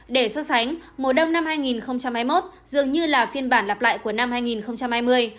để so sánh mùa đông năm hai nghìn hai mươi một dường như là phiên bản lặp lại của năm hai nghìn hai mươi